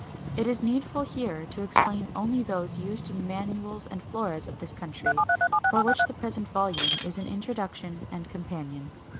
It is needful here to explain only those used in the Manuals and Floras of this country, for which the present volume is an introduction and companion.